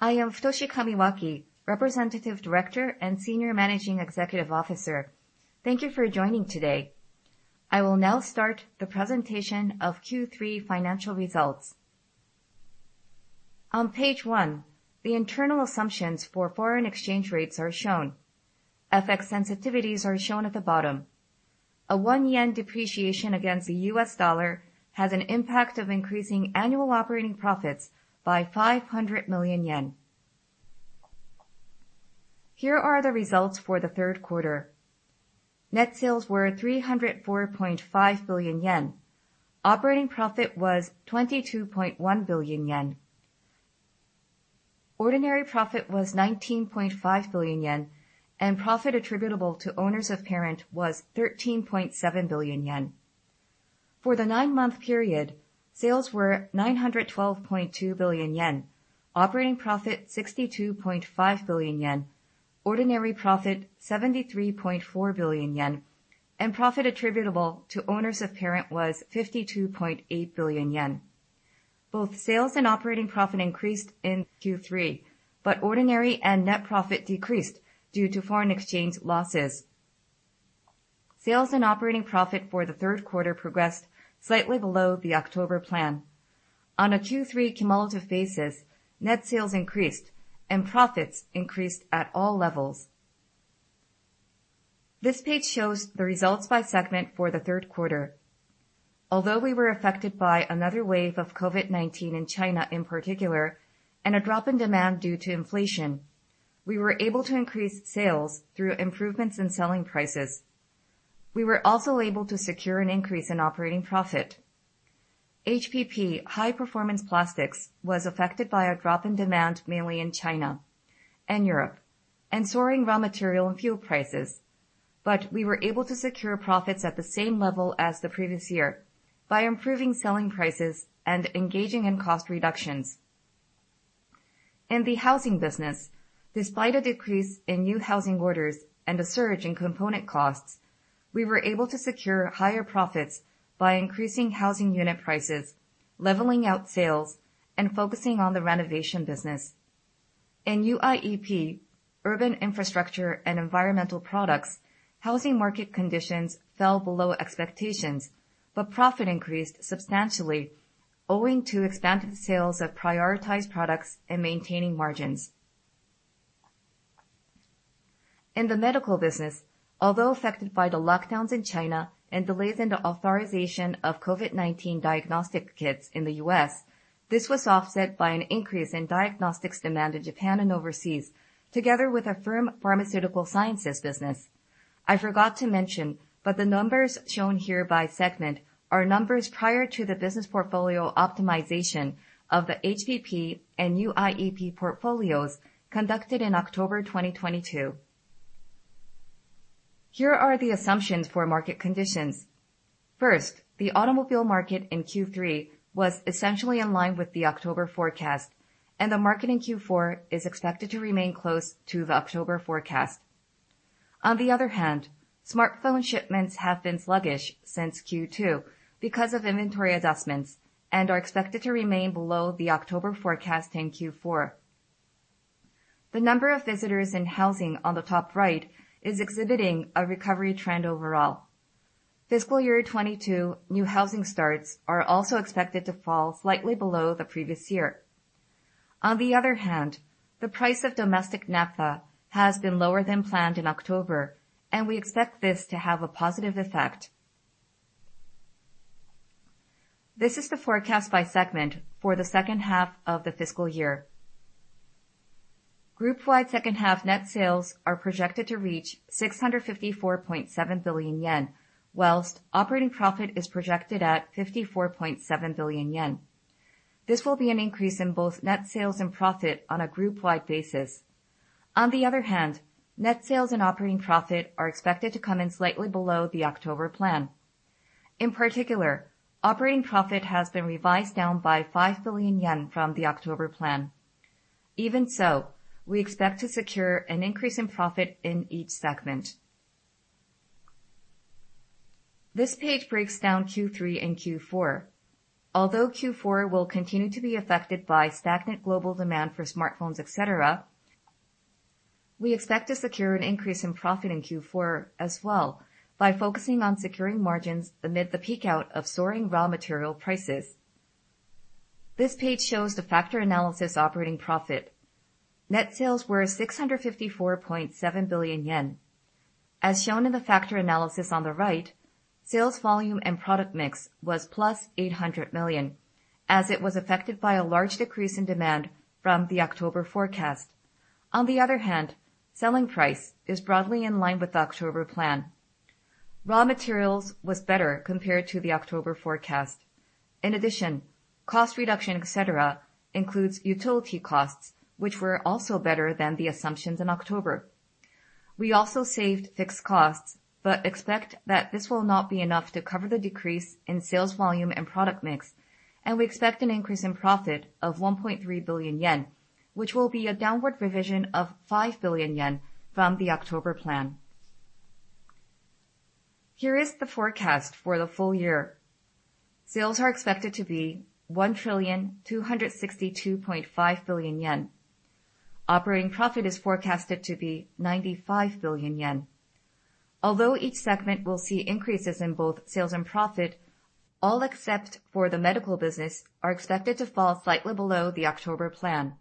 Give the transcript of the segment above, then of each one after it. I am Futoshi Kamiwaki, Representative Director and Senior Managing Executive Officer. Thank you for joining today. I will now start the presentation of Q3 financial results. On page 1, the internal assumptions for foreign exchange rates are shown. FX sensitivities are shown at the bottom. A 1 yen depreciation against the US dollar has an impact of increasing annual operating profits by 500 million yen. Here are the results for the third quarter. Net sales were 304.5 billion yen. Operating profit was 22.1 billion yen. Ordinary profit was 19.5 billion yen, and profit attributable to owners of parent was 13.7 billion yen. For the nine-month period, sales were 912.2 billion yen, operating profit 62.5 billion yen, ordinary profit 73.4 billion yen, and profit attributable to owners of parent was 52.8 billion yen. Both sales and operating profit increased in Q3, but ordinary and net profit decreased due to foreign exchange losses. Sales and operating profit for the third quarter progressed slightly below the October plan. On a Q3 cumulative basis, net sales increased and profits increased at all levels. This page shows the results by segment for the third quarter. Although we were affected by another wave of COVID-19 in China in particular, and a drop in demand due to inflation, we were able to increase sales through improvements in selling prices. We were also able to secure an increase in operating profit. HPP, High Performance Plastics, was affected by a drop in demand, mainly in China and Europe, and soaring raw material and fuel prices. We were able to secure profits at the same level as the previous year by improving selling prices and engaging in cost reductions. In the housing business, despite a decrease in new housing orders and a surge in component costs, we were able to secure higher profits by increasing housing unit prices, leveling out sales, and focusing on the renovation business. In UIEP, Urban Infrastructure & Environmental Products, housing market conditions fell below expectations, but profit increased substantially owing to expanded sales of prioritized products and maintaining margins. In the medical business, although affected by the lockdowns in China and delays in the authorization of COVID-19 diagnostic kits in the U.S., this was offset by an increase in diagnostics demand in Japan and overseas, together with a firm pharmaceutical sciences business. The numbers shown here by segment are numbers prior to the business portfolio optimization of the HPP and UIEP portfolios conducted in October 2022. Here are the assumptions for market conditions. First, the automobile market in Q3 was essentially in line with the October forecast, and the market in Q4 is expected to remain close to the October forecast. Smartphone shipments have been sluggish since Q2 because of inventory adjustments and are expected to remain below the October forecast in Q4. The number of visitors in Housing on the top right is exhibiting a recovery trend overall. Fiscal year 2022 new housing starts are also expected to fall slightly below the previous year. The price of domestic naphtha has been lower than planned in October, and we expect this to have a positive effect. This is the forecast by segment for the second half of the fiscal year. Group-wide second half net sales are projected to reach 654.7 billion yen, whilst operating profit is projected at 54.7 billion yen. This will be an increase in both net sales and profit on a group-wide basis. Net sales and operating profit are expected to come in slightly below the October plan. In particular, operating profit has been revised down by 5 billion yen from the October plan. Even so, we expect to secure an increase in profit in each segment. This page breaks down Q3 and Q4. Although Q4 will continue to be affected by stagnant global demand for smartphones, et cetera, we expect to secure an increase in profit in Q4 as well by focusing on securing margins amid the peak out of soaring raw material prices. This page shows the factor analysis operating profit. Net sales were 654.7 billion yen. As shown in the factor analysis on the right, sales volume and product mix was plus 800 million, as it was affected by a large decrease in demand from the October forecast. Selling price is broadly in line with the October plan. Raw materials was better compared to the October forecast. Cost reduction, et cetera, includes utility costs, which were also better than the assumptions in October. We also saved fixed costs, expect that this will not be enough to cover the decrease in sales volume and product mix, and we expect an increase in profit of 1.3 billion yen, which will be a downward revision of 5 billion yen from the October plan. Here is the forecast for the full year. Sales are expected to be 1,262.5 billion yen. Operating profit is forecasted to be 95 billion yen. Each segment will see increases in both sales and profit, all except for the medical business are expected to fall slightly below the October plan.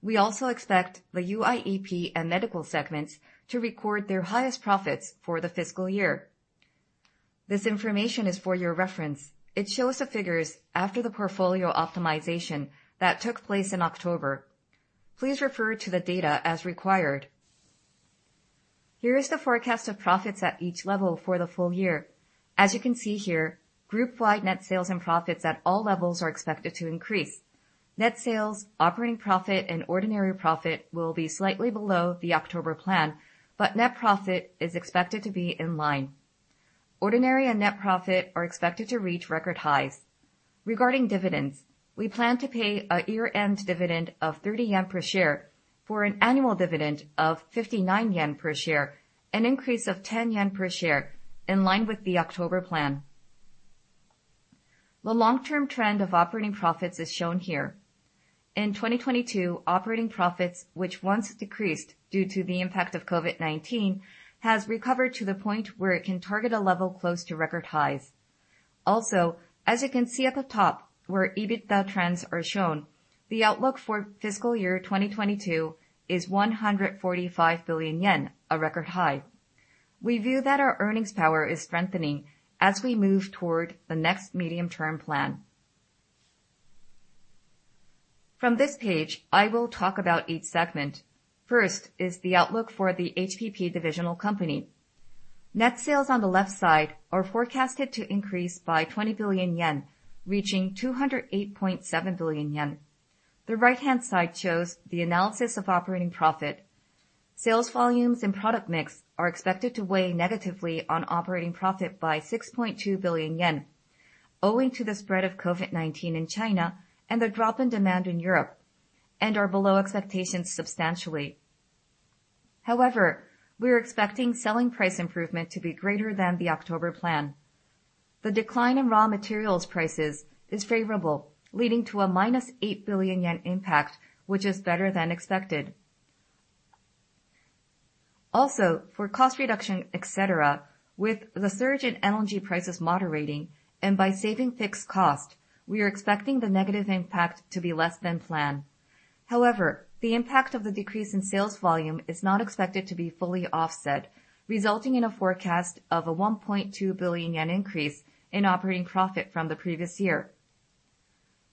We also expect the UIEP and medical segments to record their highest profits for the fiscal year. This information is for your reference. It shows the figures after the portfolio optimization that took place in October. Please refer to the data as required. Here is the forecast of profits at each level for the full year. As you can see here, group-wide net sales and profits at all levels are expected to increase. Net sales, operating profit, and ordinary profit will be slightly below the October plan, but net profit is expected to be in line. Ordinary and net profit are expected to reach record highs. Regarding dividends, we plan to pay a year-end dividend of 30 yen per share for an annual dividend of 59 yen per share, an increase of 10 yen per share in line with the October plan. The long-term trend of operating profits is shown here. In 2022, operating profits which once decreased due to the impact of COVID-19 has recovered to the point where it can target a level close to record highs. As you can see at the top, where EBITDA trends are shown, the outlook for fiscal year 2022 is 145 billion yen, a record high. We view that our earnings power is strengthening as we move toward the next medium-term plan. From this page, I will talk about each segment. First is the outlook for the HPP divisional company. Net sales on the left side are forecasted to increase by 20 billion yen, reaching 208.7 billion yen. The right-hand side shows the analysis of operating profit. Sales volumes and product mix are expected to weigh negatively on operating profit by 6.2 billion yen owing to the spread of COVID-19 in China and the drop in demand in Europe and are below expectations substantially. We are expecting selling price improvement to be greater than the October plan. The decline in raw materials prices is favorable, leading to a -8 billion yen impact, which is better than expected. For cost reduction, et cetera, with the surge in energy prices moderating and by saving fixed cost, we are expecting the negative impact to be less than planned. The impact of the decrease in sales volume is not expected to be fully offset, resulting in a forecast of a 1.2 billion yen increase in operating profit from the previous year.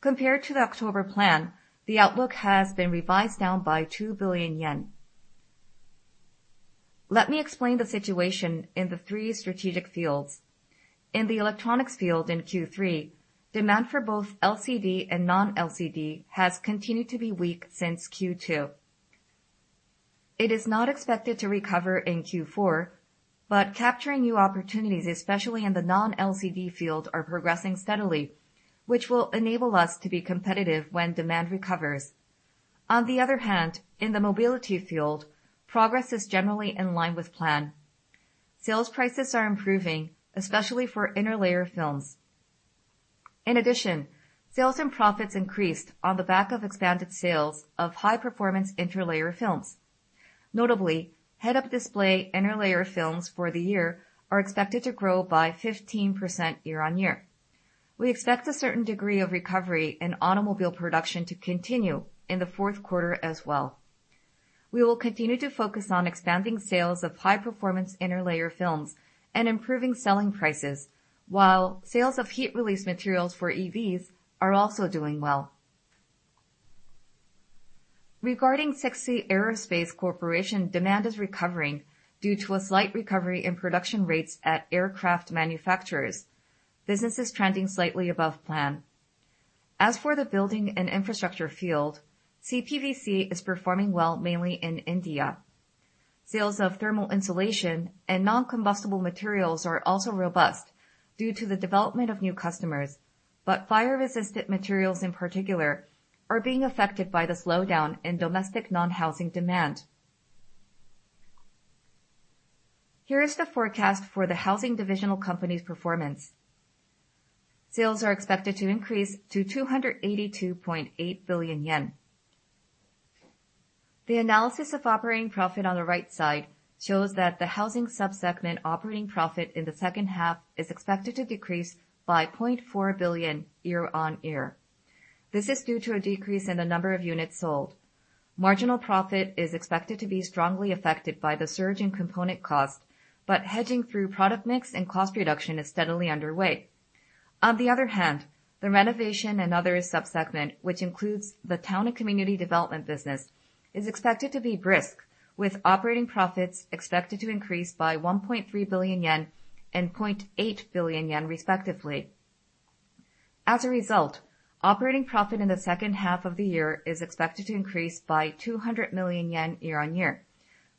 Compared to the October plan, the outlook has been revised down by 2 billion yen. Let me explain the situation in the three strategic fields. In the electronics field in Q3, demand for both LCD and non-LCD has continued to be weak since Q2. It is not expected to recover in Q4, but capturing new opportunities, especially in the non-LCD field, are progressing steadily, which will enable us to be competitive when demand recovers. On the other hand, in the mobility field, progress is generally in line with plan. Sales prices are improving, especially for interlayer films. In addition, sales and profits increased on the back of expanded sales of high-performance interlayer films. Notably, head-up display interlayer films for the year are expected to grow by 15% year-on-year. We expect a certain degree of recovery in automobile production to continue in the fourth quarter as well. We will continue to focus on expanding sales of high-performance interlayer films and improving selling prices, while sales of heat release materials for EVs are also doing well. Regarding Sekisui Aerospace Corporation, demand is recovering due to a slight recovery in production rates at aircraft manufacturers. Business is trending slightly above plan. As for the building and infrastructure field, CPVC is performing well mainly in India. Sales of thermal insulation and non-combustible materials are also robust due to the development of new customers. Fire-resistant materials in particular are being affected by the slowdown in domestic non-housing demand. Here is the forecast for the housing divisional company's performance. Sales are expected to increase to 282.8 billion yen. The analysis of operating profit on the right side shows that the housing sub-segment operating profit in the second half is expected to decrease by 0.4 billion year-on-year. This is due to a decrease in the number of units sold. Marginal profit is expected to be strongly affected by the surge in component cost, but hedging through product mix and cost reduction is steadily underway. On the other hand, the renovation and other sub-segment, which includes the town and community development business, is expected to be brisk, with operating profits expected to increase by 1.3 billion yen and 0.8 billion yen respectively. As a result, operating profit in the second half of the year is expected to increase by 200 million yen year-on-year,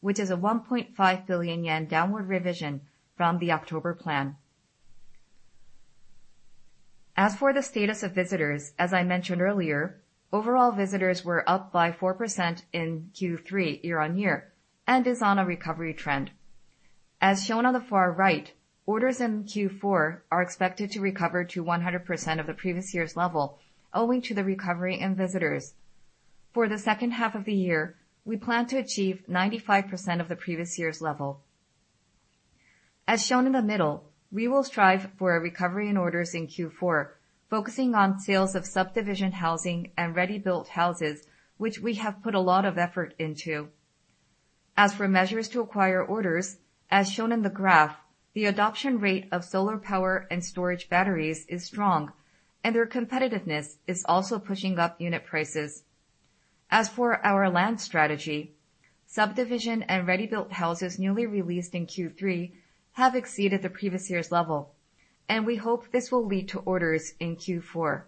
which is a 1.5 billion yen downward revision from the October plan. As for the status of visitors, as I mentioned earlier, overall visitors were up by 4% in Q3 year-on-year and is on a recovery trend. As shown on the far right, orders in Q4 are expected to recover to 100% of the previous year's level owing to the recovery in visitors. For the second half of the year, we plan to achieve 95% of the previous year's level. As shown in the middle, we will strive for a recovery in orders in Q4, focusing on sales of subdivision housing and ready-built houses which we have put a lot of effort into. As for measures to acquire orders, as shown in the graph, the adoption rate of solar power and storage batteries is strong and their competitiveness is also pushing up unit prices. As for our land strategy, subdivision and ready-built houses newly released in Q3 have exceeded the previous year's level, and we hope this will lead to orders in Q4.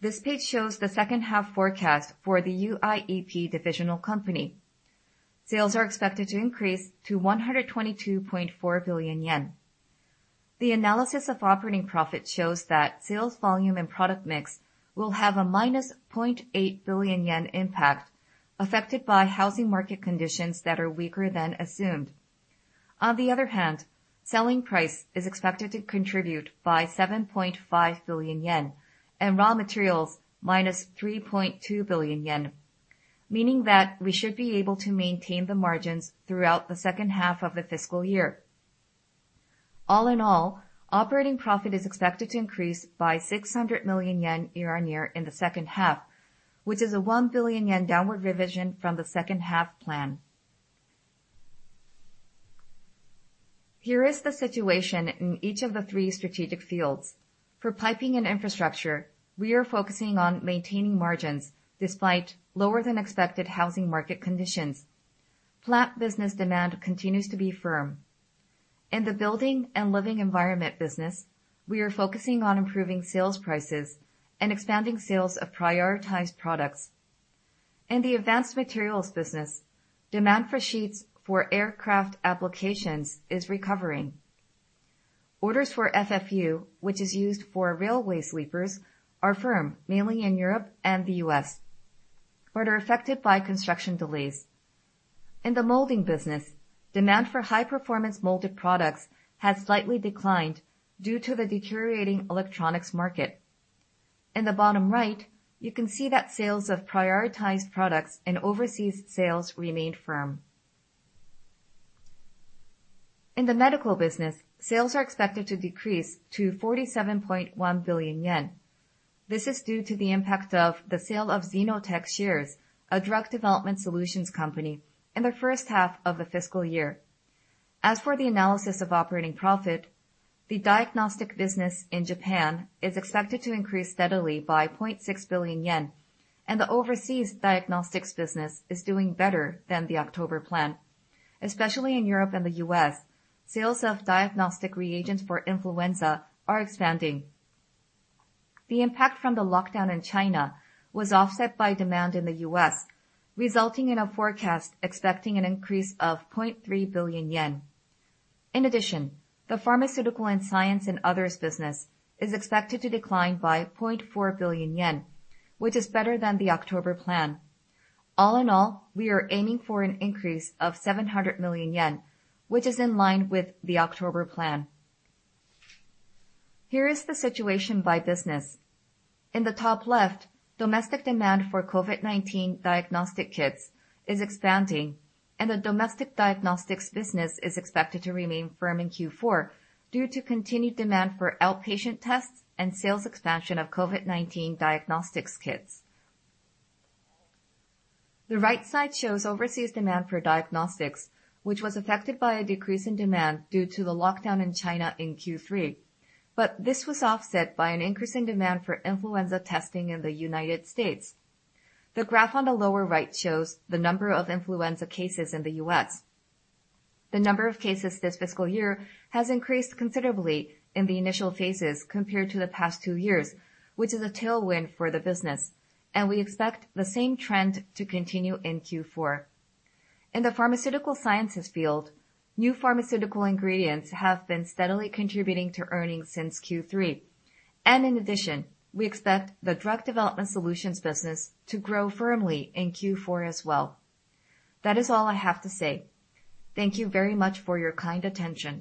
This page shows the second half forecast for the UIEP divisional company. Sales are expected to increase to 122.4 billion yen. The analysis of operating profit shows that sales volume and product mix will have a -0.8 billion yen impact affected by housing market conditions that are weaker than assumed. On the other hand, selling price is expected to contribute by 7.5 billion yen and raw materials -3.2 billion yen, meaning that we should be able to maintain the margins throughout the second half of the fiscal year. All in all, operating profit is expected to increase by 600 million yen year-on-year in the second half, which is a 1 billion yen downward revision from the second half plan. Here is the situation in each of the three strategic fields. For piping and infrastructure, we are focusing on maintaining margins despite lower than expected housing market conditions. Plant business demand continues to be firm. In the building and living environment business, we are focusing on improving sales prices and expanding sales of prioritized products. In the advanced materials business, demand for sheets for aircraft applications is recovering. Orders for FFU, which is used for railway sleepers, are firm, mainly in Europe and the U.S., but are affected by construction delays. In the molding business, demand for high-performance molded products has slightly declined due to the deteriorating electronics market. In the bottom right, you can see that sales of prioritized products and overseas sales remained firm. In the medical business, sales are expected to decrease to 47.1 billion yen. This is due to the impact of the sale of XenoTech shares, a drug development solutions company, in the first half of the fiscal year. As for the analysis of operating profit, the diagnostic business in Japan is expected to increase steadily by 0.6 billion yen, and the overseas diagnostics business is doing better than the October plan. Especially in Europe and the U.S., sales of diagnostic reagents for influenza are expanding. The impact from the lockdown in China was offset by demand in the U.S., resulting in a forecast expecting an increase of 0.3 billion yen. In addition, the pharmaceutical and science and others business is expected to decline by 0.4 billion yen, which is better than the October plan. All in all, we are aiming for an increase of 700 million yen, which is in line with the October plan. Here is the situation by business. In the top left, domestic demand for COVID-19 diagnostic kits is expanding and the domestic diagnostic business is expected to remain firm in Q4 due to continued demand for outpatient tests and sales expansion of COVID-19 diagnostic kits. The right side shows overseas demand for diagnostics, which was affected by a decrease in demand due to the lockdown in China in Q3. This was offset by an increase in demand for influenza testing in the United States. The graph on the lower right shows the number of influenza cases in the U.S. The number of cases this fiscal year has increased considerably in the initial phases compared to the past two years, which is a tailwind for the business, and we expect the same trend to continue in Q4. In the pharmaceutical sciences field, new pharmaceutical ingredients have been steadily contributing to earnings since Q3. In addition, we expect the drug development solutions business to grow firmly in Q4 as well. That is all I have to say. Thank you very much for your kind attention.